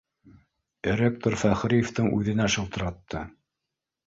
Ректор Фәхриевтең үҙенә шылтыратты